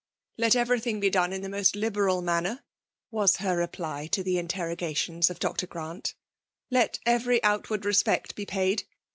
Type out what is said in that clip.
'* Let every thing be done in the moat liberal manner, — was her reply to (iie interro* gations of Dr. Grant. '* Let every outward respect be paid.